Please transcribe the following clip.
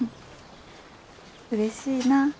うれしいな。